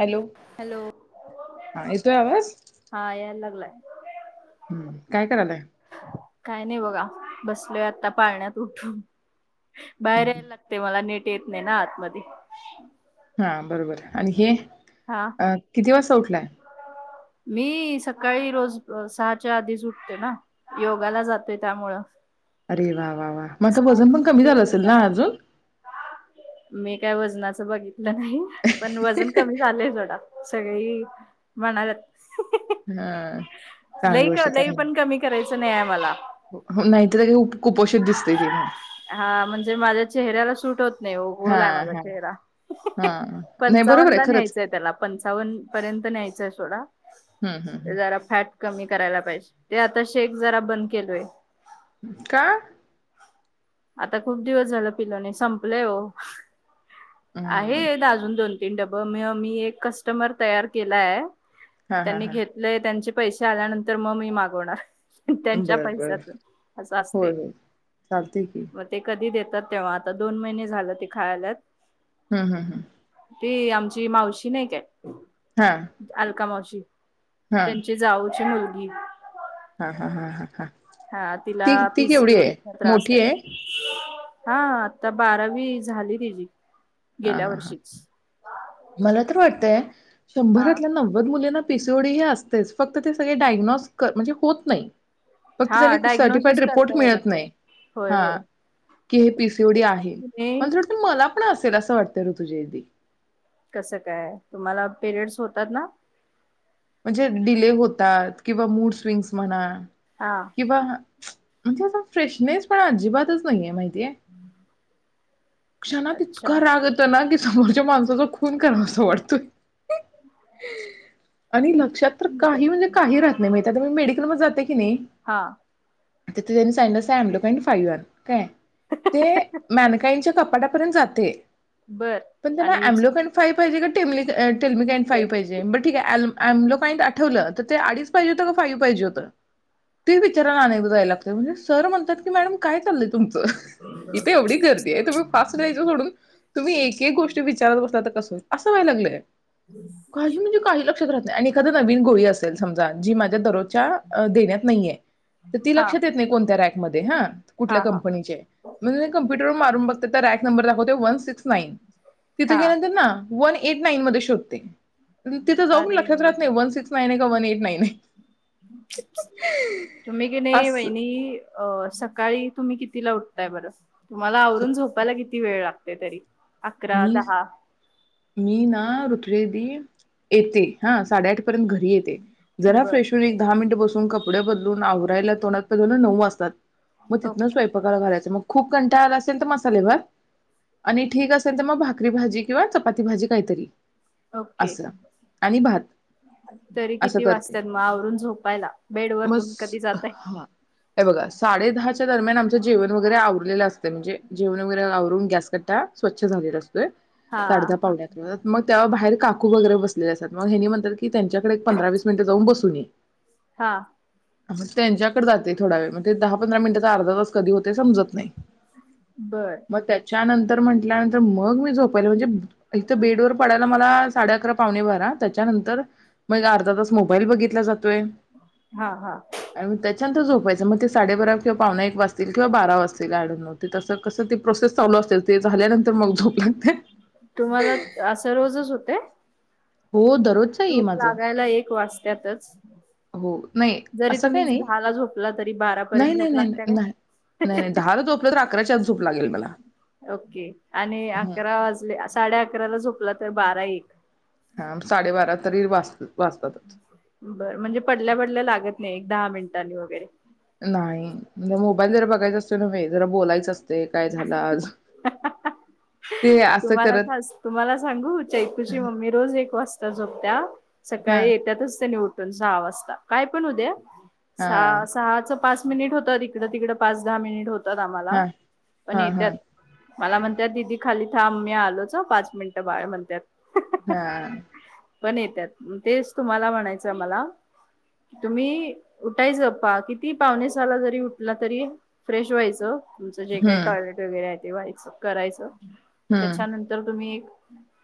Hello hello हां येतोय आवाज हा [unintelligible] हूं काय करायलाय काय नाही बघा बसलोय आता पाळण्यात उठून बाहेर हम्म, यायला लागतय मला नेट येत नाही ना आतमधी हां बरोबर आणि हे हा अं किती वाजता उठलाय? मी सकाळी रोज अ सहाच्या आधीच उठते ना योगाला जाते त्यामुळं अरे वा वा वा म आता सहाला वजन पण कमी उठते झालं बरं असल ना योगाला. अजून मी काय वजनाचं बघितलं नाही पण वजन कमी झालंय बघा सगळी म्हणाल्यात हां चांगली लई गोष्ट क आहे लई चांगली पण कमी करायचं नाही आहे हो नाहीतरी कुपोषित दिसते ते मग हां म्हणजे माझ्या चेहऱ्याला सुट नाही ओ हा ओलाय माझा हा चेहरा हा नाही बरोबर पंचावन्न आहे ला खरंच न्यायचाय त्याला पंचावन्न पर्यंत न्यायचंय सोडा हम्म हम् जरा फॅट कमी करायला पाहिजे ते आता शेक जरा बंद केलोय. का? आता खूप दिवस झाला पिल नाही संपलंय ओ हम्म आहेत अजून दोन तीन डब मग मी एक कस्टमर तयार केलाय. हा हा त्यांनी हा घेतलंय त्यांचे पैसे आल्यानंतर मग मी मागवणार. त्यांच्या बर, बर पैशातून. होय, होय चालतय की. म ते कधी देत तर तेव्हा आता दोन महिने झाले ते खायल्यात. हूं हूं हूं ती आमची मावशी नाय काय हा अलका मावशी [inaudible] हा त्यांची जावची मुल [inaudible] हा, हा, हा, हा, हा हा तिला ती ती केवढी आहे पीसीओडीचा त्रास मोठी आहे. हा आता बारावी झाली तिची. हा, गेल्या हा, हा वर्षीच मला तर वाटतय हा शंभरातल्या नव्वद मुलींना पिसओडी हे असतयच फक्त ते सगळे डायग्नोज म्हणजे होत नाही. फक्त हा त्या सर्टिफाईड डायग्नोसिस रिपोर्ट करता यायला मिळत नाही पाहिजे. होय हा होय की हे पीसीओडी आहे हे मला तर वाटतं मला पण असेल अस वाटत ऋतुजा दी [unintelligible] कसं काय तुम्हाला पिरियड्स होतात ना? म्हणजे डिले होतात किंवा मूड स्विंग्स म्हणा. हा किंवा म्हणजे अस फ्रेशनेस पणा अजिबातच नाहीये माहि रिकामा ऑडिओ [inaudible] क्षणात इतका राग येतो ना की, समोरच्या माणसाचा खून करावासा वाटतोय. [inaudible] आणि लक्षात तर काही म्हणजे काही राहत नाही माहित हाय. ता मी मेडिकल मध्ये जाते की नाय हा. तिथे त्यांनी सईनडसाय आणल काय फाईव आर काय. ते मॅनकाईनच्या कंप [unintelligible] पर्यंत जाते. बर पण त्यांना आणि विच आमलोंबेन फाईव पाहिजे का [unintelligible] [unintelligible] कान फाईव पाहिेजे बर ठीक आ - - आमलोफईन आठवलं तर ते अडीच पाहिजे होत का फाईव्ह पाहिजे होत ते विचाराला अनेकदा जायला लागत म्हणजे सर म्हणतात की मॅडम काय चालंय तुमच इथे एवढी गर्दी आहे. तुम्ही फास्ट राहायच सोडून तुम्ही एक एक गोष्टी विचारत बसला तर कस होई अस व्हायं लागलंय. काही म्हणजे काही लक्षात रात नाही. आणि एखाद नवीन गोळी असेल समजा, जी माझ्या दरोजच्या देण्यात नाहीये तर ती हा लक्षात येत नाही कोण त्या रॅकमध्ये हां. कुठल्या हा हा कंपनी ची आहे [unintelligible] कॉम्प्युटर वर मारून बघते तर अँक नंबर दाखवते वन सिक्स नाईन तिथ हा गेल्यानंतर ना. वन एत नाईन मध्ये शोधते. तिथं जाऊन लग - - [unintelligible] अरे राहत नाही वन सिक्स नाई [unintelligible] ऐट नाईन आहे [inaudible] तुम्ही कीनी अस वहिणी अ अ सकाळी तुम्ही कितीला उठताय बर? तुम्हाला आवरून झोपायला की किती वेळ लागतय तरी? अकरा, मी दहा. मी ना ऋतुवेदी येते हा साडेआठ पर्यंत घरी येते. जरा बर फ्रेश होऊन एक दहा मिनिट बसू मग कपडे बदलून आवरायला [unintelligible] नऊ वाजतात. म तिथन ओके. स्वयंपाकाला घालायच मग खूप कंटाला आला असेल तर मसाले भात आणि ठीक अ - - [unintelligible] मग भाकरी भाजी किंवा चपाती भाजी काहीतरी ओके असं आणि भात तरी असं किती करते वाजतात मग आवरून झोपायला. बेड वर मग तुम्ही कधी जाताय? हा हे बघा साडे दहाच्या दरम्यान आमच जेवण वगैेरे आव उठलेली असते म्हणजे जेवण वैगरे आवरून. गॅस कट्टा स्वच्छ झालेला अस. हा. साडे दहा पावणेआठ मग.. तेव्हा बाहेर काकू वगैरे बसलेल्या असत्यात मग हेनी म्हणत्यात की की त्यांच्याकडे एक पंधरा-वीस मिनिटं जाऊन बसुन ये [inaudible] हा म त्यांच्याकडे जाते थोडा वेळ मग ते दहा पंधरा मिनट अर्धातास कधी होतंय समजत नाही. बर मग त्याचा नं तर म्हण त्यानंतर मग मी झोपायला म्हणजे... एक तर बेडवर पडायला मला..... साडेअकरा पावणेबारा त्याच्यानंतर मग अर्धा तास मोबाईल बघितला जा तोय हा हा आणि म त्याच्यानंत झोपतोय. वैजमते साडे बारा किंवा पावना एक वाजतील किंवा बारा वाजतील आड नऊ ते तसं कसं ते प्रोसेस चालू असेल ते झाल्यानंतर मग झोपला..... तुम्हाला असं रोजच होतंय? हो द.... झोप लागायला एक वाजत्यातच हो नाही जरी असं काही तुम्हीच नाही दहा ला झोपला तरी बारा नाही पर्यंत नाही झोप नाही लागत्या नाही काय? नाही नाही नाही दहाला झोपलं तर अकराच्या आत झोप लागेल मला. ओके आणि हं. अकरा वाजले साडेअकरा ला झोपलात तर बारा एक हा साडे बारा तरी वास बर म्हणजे पडल्या पडल्या लागत नाही. दहा मिनटांनी वगैरे नाही म्ह मोबाईल जरा बघायचं असतंय नव्हे जरा बोलायच अस ते असं तुम्हाला करत खास तुम्हाला सांगू चैतूची मम्मी रोज एक वाजता झोपत्या हा सकाळी येत्यातच त्यांनी उ पण सहा वाजता काय पण होऊ द्या. हा सहा सहाच पाच मिनिट होत इकडं तिकडं पाच दहा मिनिट होत.... तर आम्हाला हा पण हा हा येत्यात मला म्हणत्यात दिदी.. खाली थांब मी आलोच पाच मिनिटं बाळ म्हणत्यात...... हा पण येत्यात, तेच तुम्हाला म्हणायचं मला तुम्ही उठायचं, पा किती पावणेसहाला जरी उठला तरी फ्रेश व्हायचं. काय हम्म टॉयलेट वगैरे आली ते व्हायचं करायचं हम्म त्याच्यानंतर तुम्ही एक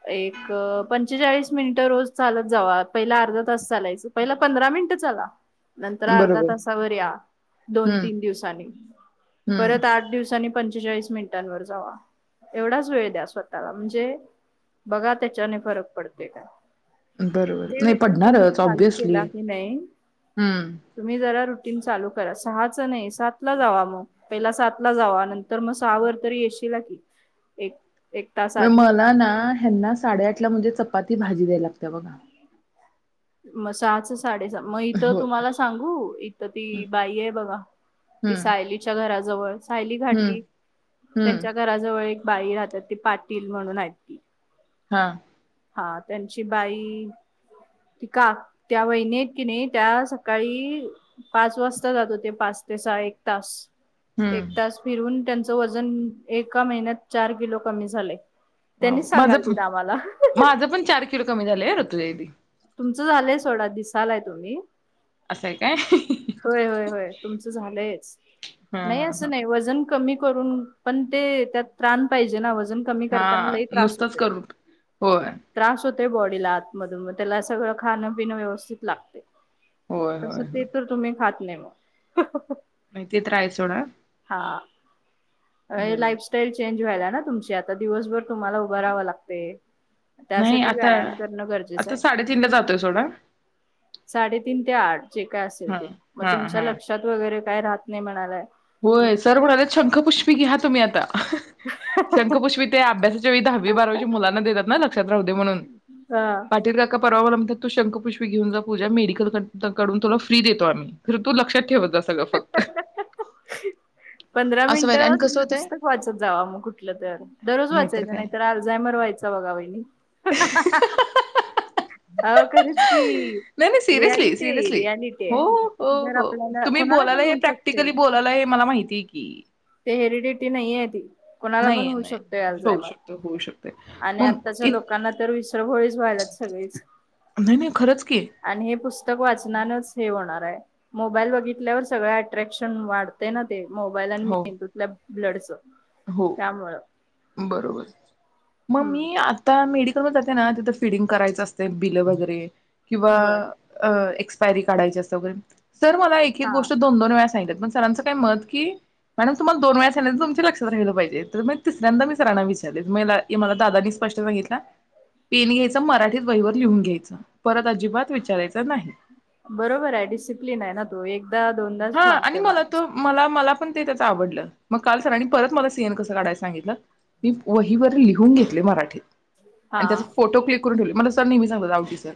एक पंचेचाळीस मिनिट रोज चालत जावा पहिला अर्धा तास चालायचं पहिला पंधरा मिनिट चाला नंतर अर्धा बरोबर तासावर या दोन हम्म तीन दिवसांनी परत हम्म आठ दिवसांनी पंचेचाळीस मिनिटांवर जावा. एवढाच वेळ द्या स्वतःला म्हण जे बघा त्याच्याने फरक पडते काय. बरोबर ते नाही रूटीन तुम्ही पडणारच चालू ऑब्विसली केला की नाही हम्म तुम्ही जरा रू रूटीन चालू करा सहाच नाही सात ला जावा मग पहिला सात ला जावा नंत तर मग सहावर तरी येशीला की एक एक तास म आधी मला ना हयांना साडे आठला म्हणजे चप चपाती भाजी द्यायला लाग ते बघा म सहाच च साडेसहा मग इथं हो तुम्हाला सांगू इथ ती बाई आहे बघा ती हम्म सायलीच्या घराजवळ सायली हम्म घाटगी हम्म त्यांच्या घराजवळ एक बाई राहतात ते पाटील म्हणून आहेत की हां हां त्यांच ती बाई का त्या वहीनी आहेत कीनी त्या सकाळी पाच वाजता जात होते पाच ते सहा एक तास. एक हम्म तास फिरून त्यानं तुमच वजन एका महिन्यात चार किलो कमी झालंय. वाव त्यांनीच माझच सांगालतीत आम्हाला माझं पण चार कि किड कमी झालेय रुत लयि ती. तुमचं झालंय सोडा दिसालाय तुम्ही असंय काय? होय होय [unintelligible] होय तुमचं झालंय स हा नाही हा हा असं नाही वजन कमी करून पण ते त्यात प्राण पाहिजे वज हा नुसतंच करून होय. ते बॉडीला आत मधोमध त्याला सगळं खान पिणं व्यवस्थित लागतंय. होय तस होय होय ते तर तुम्ही खातं नय म नाही ते तर आहेच सोडा. हां ये बरोबर लाईफस्टाईल चेंज ही व्हायला ना तुमची आता दिवसभर तुम्हाला उभाराव लागतंय. नाही त्यासाठी आता व्यायाम करणं गरजेचं आता आहे साडेतीन ला जातोय सोडा साडेतीन ते आठ जे काय असेल हा ते मग हा तुमच्या हा लक्षात वगैरे काय राहत नाही म्हणालाय म होय सर म्हणाले शंखपुष्पी घ्या तुम्ही आता शंखपुष्पित ते अभ्यास नववी दहावी बारावीच्या मुलांना देतात ना लक्ष त्यात राहूदे म्हणून हा पाटील काका परवा म्हणतात तो शंखपुष्पी घेऊन जा पूजा मेडिकल कडून तुला फ्री देतो आम्ही तर तू लक्षात ठेवत जा. ग फक्त पंधरा असं मिनिट व्हायलंय आणि कसं तुम्ही होतंय पुस्तक वाचत जावा मग कुठलं तर दररोज वाचायचं नाहीतर अर्जाय मर व्हायचा बघा वहिणी हअ्ं नाही नाही सिरियसली आहे सिरियसली रियालिटी हो आहे हो जर हो आपल्याला तुम्ही कोणाला बोलायला पण आहे होऊ शकते प्रॅक्टिकली बोलायला आहे मला माहि तिघी हेरीडटी नाही आहे ती. कोणाला पण नाहीय होऊ नाही शकतोय होऊ अल्झायमर शकत होऊ शकते आणि मग आत्ताच्या इत लोकांना तर विसरव वीज व्हाला सगळीच नाही नाही खरंच की तक वाचनानच हे होणार हाय मोबाईल बघितल्यावर सगळत अट्रॅक्शन वाढते ना ते मोबाईल आणि हो, मेघदूत लॅब ब्लडच् हो बरोबर मग हम्म मी आता मेडि तो वर जाते ना तिथं फिडिंग करायचं असते बिलं वगैरे किंवा बर अ एक्स पायरी काढायची अस्तिया व सर मला एक एक हा. गोष्ट दोन दोन वेळा सांगितल्यात. मग सरांच काय मत की मॅडम तुम्हाला दोनवेळा सांगीतल की तुमच्या लक्ष- तवर नेलं पाहिजे तर म तिसऱ्यांदा मी सरांना विचारले मला हे दादांनी स्पष्ट सांगितलं पेन घ्यायच मराठीच वहीवर लिहून घ्यायचं परत अजिबात विचाराचं नाही. बरोबर आहे डिसिप्लिन आहे ना तो एक हा आणि मला तो मला मला पण ते त्याच आवडलं मग काल सरांनी आणि परत मला सीएन कसं काढायला सांगितलं. मी वहीवर लि ऊन घेतल्या मराठीत हा आणि त्याचा फोटो क्लिक करून ठेवले मला नेहमी सांगतात सर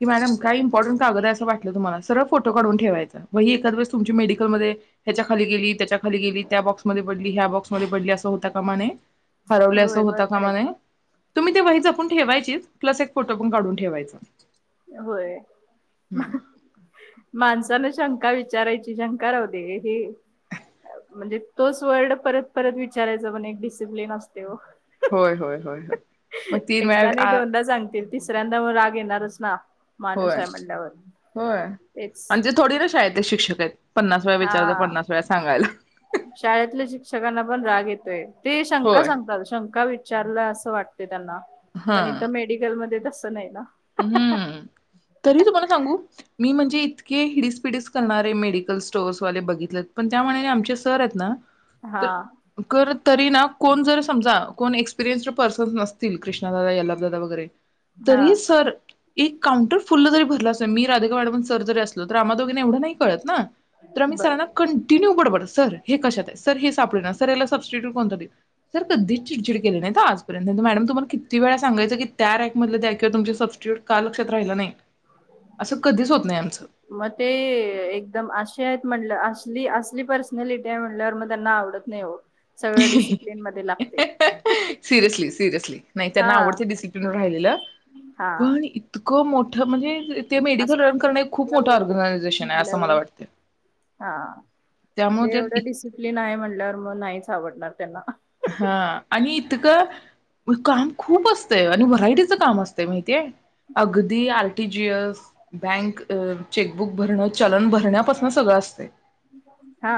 की मॅडम काय इंपॉर्टन्ट कागद आहे अस वाटलं तुम्हाला सरळ फोटो काढून ठेवायचा वहीत दर वेळेस तुमची मेडिकलमध्ये ह्याच्या खाली गेली त्याच्या खाली गेली त्या बॉक्समध्ये पडली ह्या बॉक्समध्ये पडली असं होता कामा नये हरवले असं होय होता बरोबर आहे कामा नये. की तुम्ही ते वही जपून ठेवायचीच, प्लस एक फोटो पण काढून ठेवायचा. होय हम्म. माणसाला शंका विचारायची शंका राहूदे म्हणजे तोच वर्ड परत परत विचारायचा पण एक डिसिप्लिन असतोय वो होय होय होय होय मग तीन एकदा वेळा नाही आ दोनदा सांगतील तिसऱ्यांदा मग राग येणारच ना होय माणूस आहे म्हणल्यावर. होय तेच म्हणजे थोडी ना शाळेत शिक्षक आहेत पन्नास वेळा हा विचारल तर पन्नास वेळा सांगायला शाळेतल्या शिक्षकांना पण राग येतोय ते शंका होय सांगतात शंका वि चारला असं वाटतय त्यांना हा पण इथ मेडिकलमध्ये अस नाही ना हम्म तरी तुम्हाला सांगू मी म्हणजे इतके हिडीसपिडीस करणारे मेडिकल स्टोअर्स वाले बघितलेत पण त्या मानाने आमचे सर आहेत ना तर हा कर तरी ना कोण जर समजा कोण एकस्पिरीयंड्स पर्सन नसतील कृष्णादादा याल्ला दादा वगैरे हा तरी सर एक काउंटर फुल्ल जरी भरला अस मी राधिका मॅडम आणि सर जरी असलो तर आमा दोघीना एवढं नाही कळत ना तर आम्ही बर सरांना कंटिन्यू बडबड सर हे कशात आहे सर हे सापड ना सर याला सर सर हे कशात सर हे सापडेना सर ह्याला सबस्टिट्यूट कोणता देवू सर कधीच चिडचिड केली नाहीत हा तर आजपर्यंत मॅडम तुम्हाला किती वेळा सांगयं की त्या रॅक मधील द्या तुमच सबस्टिट्यूट का लक्षात राहिलं नाही असं कधीच होत नाही आमचं. मग ते एकदम आशे आहेत म्हटलं अशे असली पर्सनॅलिटी आहे म्हणल्यावर म त्यांना आवडत नाही हो सगळ डिसिप्लिन मध्ये लागतय. सिरयसली नाही त्यांना आवडतें डिसिप्लिन राहिलेलं हा पण इत खूप मोठं म्हणजे ते मेडिकल रन करणं एक खूप मोठं ऑर्गनायझेशन आहे असं मला वाटतं. हा त्यामुळे ते एवढं इत- डिसिप्लिन आहे म्हटल्यावर मग नाहीच आवडणार. त्यांना हा आणि इतकं काम खूप असत आणि व्हरायटीच काम असतं माहितीय अगदी R T G S bank chequebook भरण चलन भरण्यापासन सगळं असत हा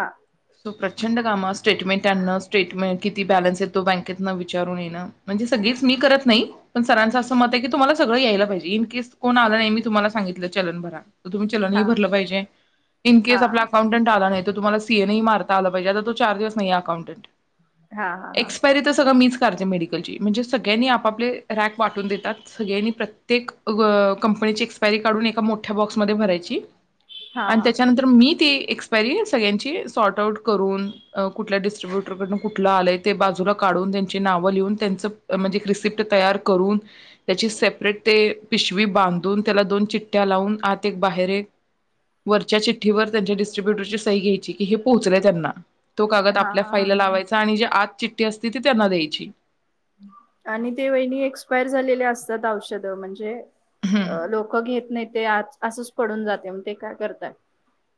तो प्रचंड कामं स्टेटमेंट त्यांना स्टेटमेंट किती बॅलन्स आहे तो बँकेतन विचारून येणं म्हणजे सगळीच मी करत नाही पण सरांचा असं मत आहे की तुम्हाला सगळं यायला पाहिजे इन केेस कोण आला नाही मी तुम्हाला सांगितलं चलन भरा त तुम्ही चलनही हा भरलं पाहिजे हा इनकेस आपला अकाउंटंट आला नाही. तर तुम्हाला सीएनही मारता आला पाहिजे आता तो चार दिवस नाहीये अकाउंंटट हा हा हा एक्सपायरी त सगळं मीच चालतंय मेडिकलची म्हणजे सगळ्यांनी आपापले रॅक वाटून देतात सगळ्यांनी प्रत्येक गं कंपनीची एक्सपायरी काढून एका मोठ्या बॉक्समध्ये भरायची हा आणि हा त्याच्यानंतर मीठ ती एक्सपायरी सगळ्यांची सॉर्ट आउट करून अ कुठल्या डीस्ट्रीब्यूटर कडन कु आलंय ते बाजूला काढून त्यांची नाव लिहून त्यांच अ म्हणजे रिसिप्ट तयार करून त्याची सेपरेट ते पिशवी बांधून त्याला दोन चिठ्ठ्या लावून आत एक बाहेर एक वरच्या चिठ्ठीवर त्यांच्या डिस्ट्रीब्युटरची सही घ्यायची की हे पोहोचलय त्यांना तो कागद हा आपल्या हा हा फाईलला लावायचा आणि जी आत चिठ्ठी असते ती त्यांना द्यायची आणि ते वहिणी एक्सपायर झालेले असतात औषध म्हणजे हं. अ लोकं घेत नाहीत ते आच असंच पडून जातय मग ते काय करताय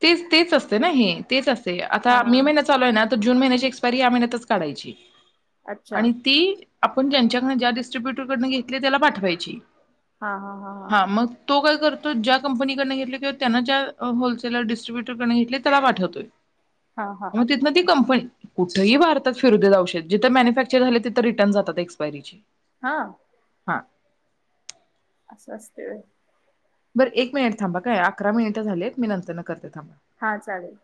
तेच तेच असत ना हे तेच अस ते आता मे हा महिना चालू आहे ना त जून महिन्याची एक्सपायरी या महिन्यातच काढायची अच्छा आणि ती आपण ज्यांच्याकडनं ज्या डिट्रीब्युटर कडनं घेतले त्याला पाठवायची हा हा हा हा तू काय कर तो ज्या कंपनीकडन घेतले त्योत त्यांना ज्या होलसे त्यानं डीस्ट्रीब्युटरकडन घेतले त्याला पाठवतोय हा हा हा मग तिथन ते कंप पण कुठही भारतात फिरू देत औषध जिथं मॅन्युफॅक्चर झाले तिथं हा हा अस असतंय होय बर एक मिनिट थांबा काय अकरा मिनिटं झालेत मी नंतर न करते थांबा हा चालेल